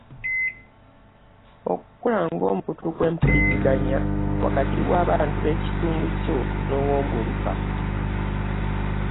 Okukola ng’omukutu gw’empuliziganya wakati w’abantu b’ekitundu kyo n’Owoomuluka